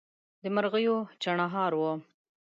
د مرغیو چڼهار وو